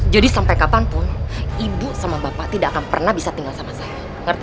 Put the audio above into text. jadi sampai kapanpun ibu sama bapak tidak akan pernah bisa tinggal sama saya ngerti